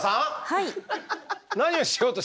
はい。